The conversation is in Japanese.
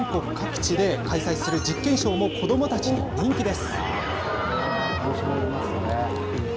全国各地で開催する実験ショーも、子どもたちに人気です。